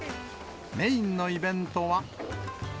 メインのイベントは。